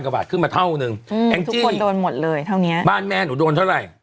กว่าบาทขึ้นมาเท่านึงทุกคนโดนหมดเลยเท่านี้บ้านแม่หนูโดนเท่าไหร่